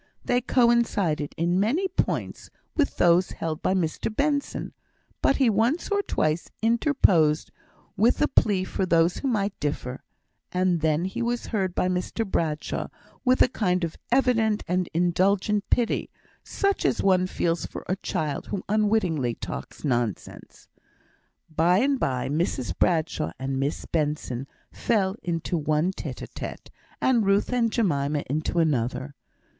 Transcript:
They coincided in many points with those held by Mr Benson, but he once or twice interposed with a plea for those who might differ; and then he was heard by Mr Bradshaw with a kind of evident and indulgent pity, such as one feels for a child who unwittingly talks nonsense. By and by, Mrs Bradshaw and Miss Benson fell into one tête à tête, and Ruth and Jemima into another.